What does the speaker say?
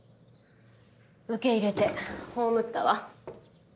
受け入れて葬ったわ。